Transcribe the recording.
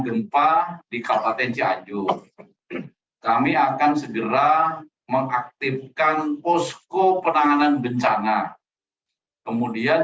gempa di kabupaten cianjur kami akan segera mengaktifkan posko penanganan bencana kemudian